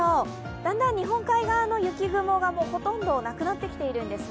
だんだん日本海側の雪雲がほとんどなくなってきているんですね。